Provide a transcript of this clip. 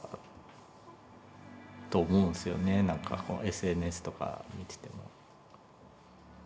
なんかＳＮＳとか見てても。